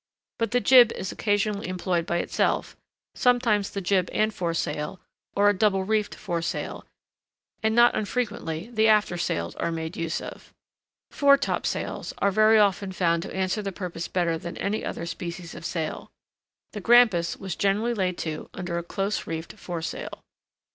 But the jib is occasionally employed by itself,—sometimes the jib and foresail, or a double reefed foresail, and not unfrequently the after sails, are made use of. Foretopsails are very often found to answer the purpose better than any other species of sail. The Grampus was generally laid to under a close reefed foresail.